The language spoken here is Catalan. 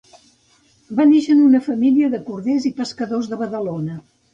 Va néixer en una família de corders i pescadors de Badalona.